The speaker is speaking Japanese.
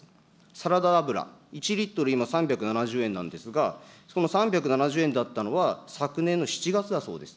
サラダ油１リットル今３７０円なんですが、この３７０円だったのは昨年の７月だそうです。